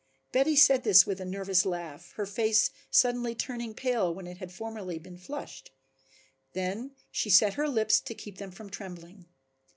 Betty said this with a nervous laugh, her face suddenly turning pale when it had formerly been flushed. Then she set her lips to keep them from trembling.